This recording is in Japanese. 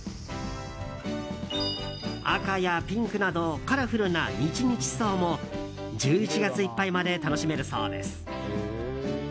赤やピンクなどカラフルなニチニチソウも１１月いっぱいまで楽しめるそうです。